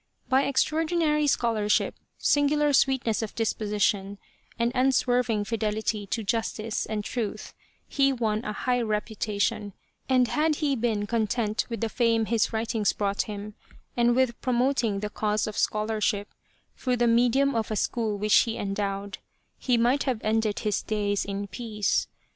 By extraordi nary scholarship, singular sweetness of disposition, and unswerving fidelity to justice and truth he won a high reputa tion, and had he been content with the fame his writings brought him, and with promoting the cause of scholarship, through the medium of a school which he endowed, he might have ended his days in peace.